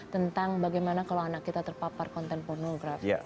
tentang bagaimana kalau anak kita terpapar konten pornografi